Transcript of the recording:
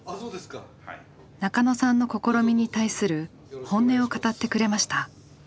中野さんの試みに対する本音を語ってくれました。